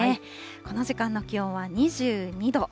この時間の気温は２２度。